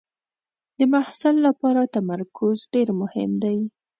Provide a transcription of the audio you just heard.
د محصل لپاره تمرکز ډېر مهم دی.